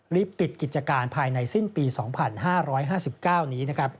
ปิดกิจการภายในสิ้นปี๒๕๕๙นี้